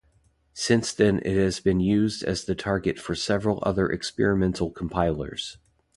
Since then it has been used as the target for several other experimental compilers.